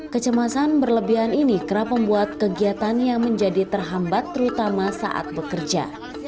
kecemasan berlebihan ini kerap membuat kegiatannya menjadi terhambat terutama saat bekerja